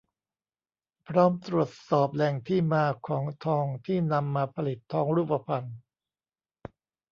พร้อมตรวจสอบแหล่งที่มาของทองที่นำมาผลิตทองรูปพรรณ